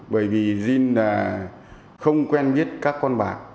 bởi vì jin là không quen biết các con bạc